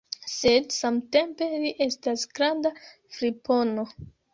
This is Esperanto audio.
Sed samtempe li estas granda fripono!